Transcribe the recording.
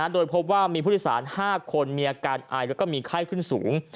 โดยพบว่ามีผู้โดยสาร๕คนมีอาการไอแล้วก็มีไข้ขึ้นสูง